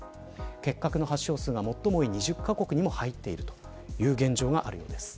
結核の発症数が最も多い２０カ国に入っているという現状があります。